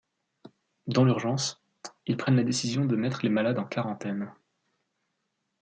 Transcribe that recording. Dans l'urgence, ils prennent la décision de mettre les malades en quarantaine.